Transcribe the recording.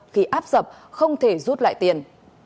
khi áp dập không thể rút lại tiền